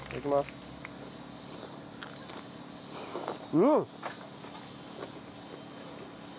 うん！